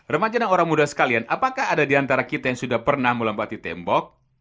remaja dan orang muda sekalian apakah ada di antara kita yang sudah pernah melompati tembok